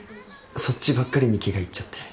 そっちばっかりに気がいっちゃって。